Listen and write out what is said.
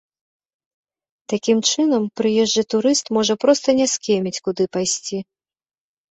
Такім чынам, прыезджы турыст, можа проста не скеміць, куды пайсці.